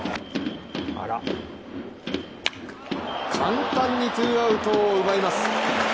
簡単にツーアウトを奪います。